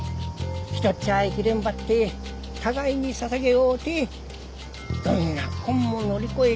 ひとっじゃ生きれんばって互いに支えおうてどんなこっも乗り越えて。